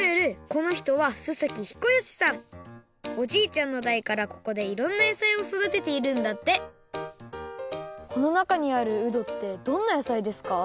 このひとはおじいちゃんのだいからここでいろんな野菜をそだてているんだってこの中にあるうどってどんな野菜ですか？